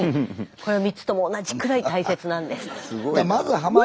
この３つとも同じくらい大切なんですと。